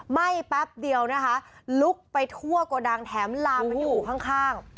ไหม้แป๊บเดียวนะคะลุกไปทั่วโกดังแถมลามกันอยู่ข้าง